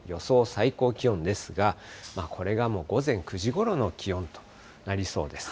最高気温ですが、これがもう午前９時ごろの気温となりそうです。